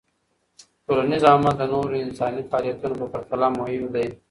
ټولنیز عمل د نورو انساني فعالیتونو په پرتله مهم دی.